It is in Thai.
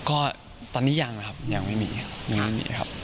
ก็ตอนนี้ยังนะครับยังไม่มีครับยังไม่มีเลยครับ